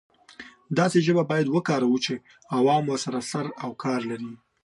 داسې ژبه باید وکاروو چې عوام ورسره سر او کار لري.